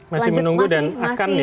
masih menunggu dan akan di